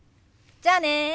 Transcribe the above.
じゃあね。